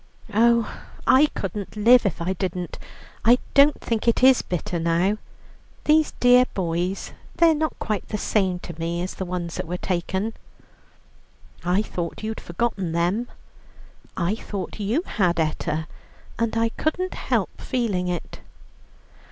"Oh, I couldn't live if I didn't. I don't think it is bitter now. These dear boys, they're not quite the same to me as the ones that were taken." "I thought you'd forgotten them." "I thought you had, Etta, and I couldn't help feeling it."